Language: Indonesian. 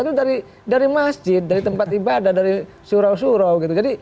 itu dari masjid dari tempat ibadah dari surau surau gitu